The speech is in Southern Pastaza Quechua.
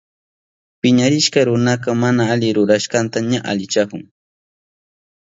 Piñarishka runaka mana ali rurashkanta ña alichahun.